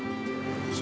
suka bikin kesel